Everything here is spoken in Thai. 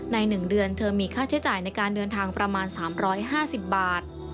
ใน๑เดือนเธอมีค่าใช้จ่ายในการเดินทางประมาณ๓๕๐บาท